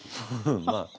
まあ。